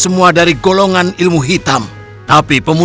mada untuk ada kamu